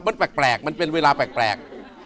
มันแปลกมันเป็นเวลาแปลก